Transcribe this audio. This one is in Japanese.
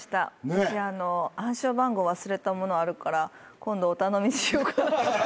私暗証番号忘れたものあるから今度お頼みしようか。